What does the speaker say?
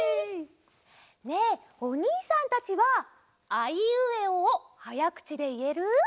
ねえおにいさんたちは「アイウエオ」をはやくちでいえる？